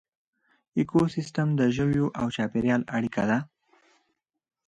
ایکوسیسټم د ژویو او چاپیریال اړیکه ده